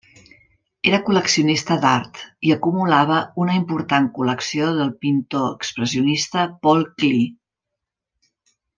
Era col·leccionista d'art, i acumulava una important col·lecció del pintor expressionista Paul Klee.